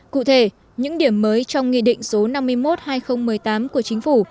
cụ thể những điểm mới trong nghị định số năm mươi một hai nghìn một mươi tám của chính phủ